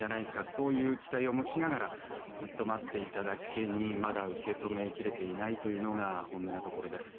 そういう期待を持ちながらずっと待っていただけにまだ受け止め切れていないというのが本音なところです。